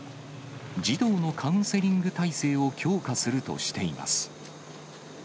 児童のカウンセリング体制を強化するとしています。